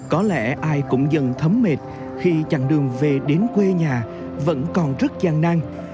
có lẽ ai cũng dần thấm mệt khi chặng đường về đến quê nhà vẫn còn rất gian năng